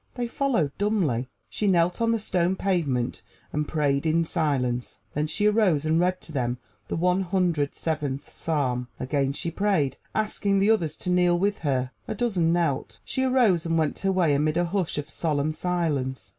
They followed dumbly. She knelt on the stone pavement and prayed in silence. Then she arose and read to them the One Hundred Seventh Psalm. Again she prayed, asking the others to kneel with her. A dozen knelt. She arose and went her way amid a hush of solemn silence.